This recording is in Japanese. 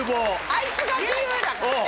あいつが自由だからね。